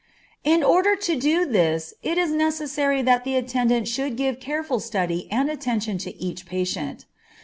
In order to do this it is necessary that the attendant should give careful study and attention to each patient.